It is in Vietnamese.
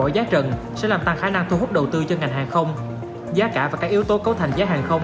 giá cả và các yếu tố cấu thành giá hàng không